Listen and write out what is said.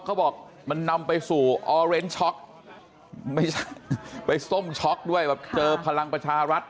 เขาบอกมันนำไปสู่ออเรนช็อกไม่ใช่ไปส้มช็อกด้วยแบบเจอพลังประชารัฐ